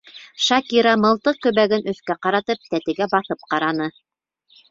Шакира мылтыҡ көбәген өҫкә ҡаратып, тәтегә баҫып ҡараны.